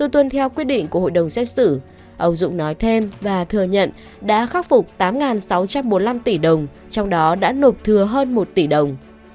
ông dũng nói thêm và thừa nhận đã khắc phục tám sáu trăm bốn mươi năm tỷ đồng trong đó đã nộp thừa hơn một tỷ đồng